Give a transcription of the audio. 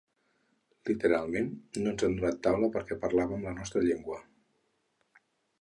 Literalment, no ens han donat taula perquè parlàvem la nostra llengua.